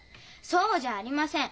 そうじゃありません！